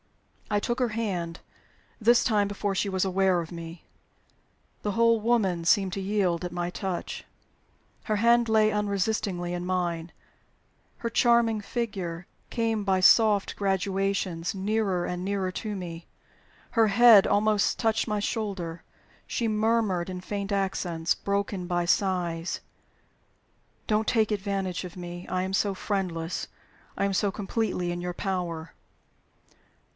I took her hand, this time, before she was aware of me. The whole woman seemed to yield at my touch. Her hand lay unresistingly in mine; her charming figure came by soft gradations nearer and nearer to me; her head almost touched my shoulder. She murmured in faint accents, broken by sighs, "Don't take advantage of me. I am so friendless; I am so completely in your power."